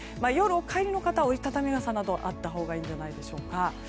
夜お帰りの方は折り畳み傘などあったほうがいいんじゃないでしょうか。